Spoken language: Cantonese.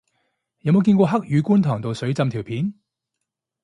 有冇見過黑雨觀塘道水浸條片